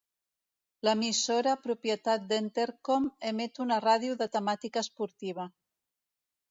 L'emissora propietat d'Entercom emet una ràdio de temàtica esportiva.